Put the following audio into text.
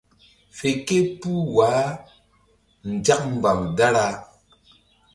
Fe képuh wah nzak mbam dara.